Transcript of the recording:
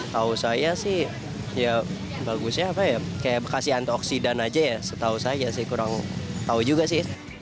tau saya sih ya bagusnya apa ya kayak berkasih antioksidan aja ya setau saja sih kurang tau juga sih